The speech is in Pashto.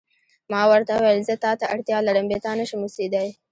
ما ورته وویل: زه تا ته اړتیا لرم، بې تا نه شم اوسېدای.